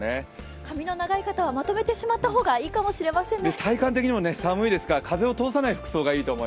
髪の長い方はまとめてしまった方がいいかもしれませんね。